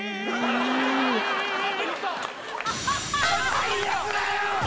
最悪だよ！